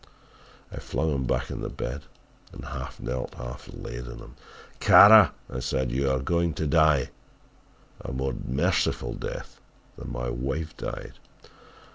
"I flung him back on the bed and half knelt, half laid on him. "'Kara,' I said, 'you are going to die, a more merciful death than my wife died.'